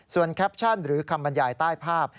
แคปชั่นหรือคำบรรยายใต้ภาพ